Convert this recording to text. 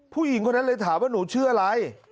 ผู้หญิงคนนั้นเลยถามว่าหนูชื่ออะไร